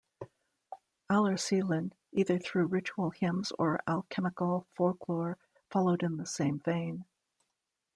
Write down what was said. Allerseelen, either through ritual hymns or alchemical folklore followed in the same vein.